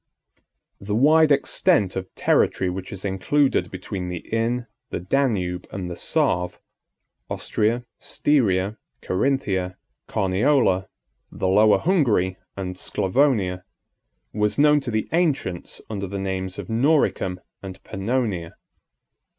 The wide extent of territory which is included between the Inn, the Danube, and the Save,—Austria, Styria, Carinthia, Carniola, the Lower Hungary, and Sclavonia,—was known to the ancients under the names of Noricum and Pannonia.